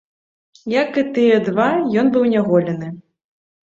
Як і тыя два, ён быў няголены.